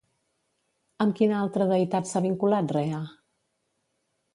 Amb quina altra deïtat s'ha vinculat Rea?